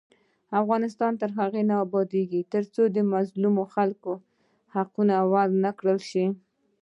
افغانستان تر هغو نه ابادیږي، ترڅو د مظلومو خلکو حقونه ورکړل نشي.